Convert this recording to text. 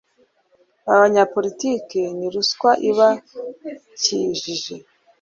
Aba banyapolitiki ni ruswa iba kijije